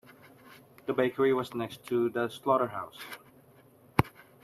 The bakery was next to the slaughterhouse.